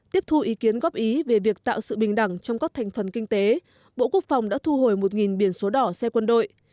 tiếp thu ý kiến góp ý về việc tạo sự bình đẳng trong các thành phần kinh tế bộ quốc phòng đã thu hồi một biển số đỏ xe quân đội